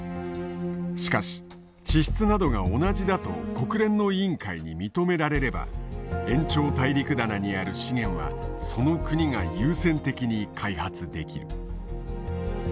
しかし地質などが同じだと国連の委員会に認められれば延長大陸棚にある資源はその国が優先的に開発できる。